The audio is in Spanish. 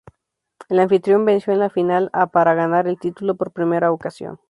El anfitrión venció en la final a para ganar el título por primera ocasión.